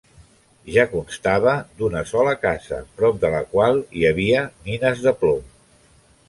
Ja constava d'una sola casa, prop de la qual hi havia mines de plom.